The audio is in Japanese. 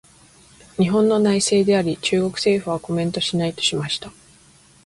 「日本の内政であり、中国政府はコメントしない」としました。